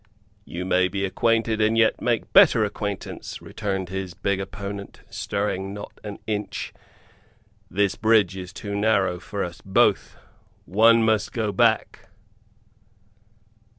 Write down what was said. "You may be acquainted and yet make better acquaintance," returned his big opponent, stirring not an inch. "This bridge is too narrow for us both. One must go back."